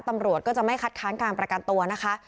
ตำรวจก็จะไม่คัดค้านการประกันตัวนะคะ